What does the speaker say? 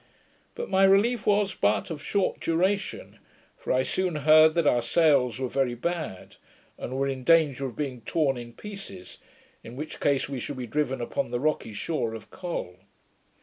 But my relief was but of short duration; for I soon heard that our sails were very bad, and were in danger of being torn in pieces, in which case we should be driven upon the rocky shore of Col.